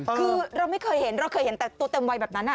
คือเราไม่เคยเห็นเราเคยเห็นแต่ตัวเต็มวัยแบบนั้น